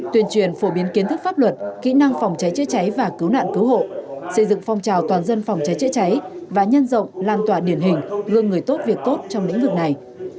tuyên truyền phổ biến kiến thức pháp luật kỹ năng phòng cháy chữa cháy và cứu nạn cứu hộ xây dựng phong trào toàn dân phòng cháy chữa cháy và nhân rộng lan tỏa điển hình gương người tốt việc tốt trong lĩnh vực này